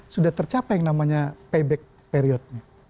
sudah tercapai yang namanya payback periodnya